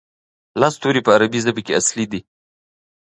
لس توري په عربي ژبه کې اصلي دي.